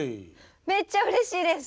めっちゃうれしいです。